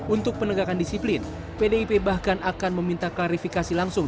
untuk penegakan disiplin pdip bahkan akan meminta klarifikasi langsung